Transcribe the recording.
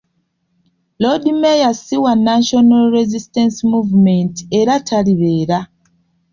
Loodi mmeeya si wa National Resistance Movement era talibeera.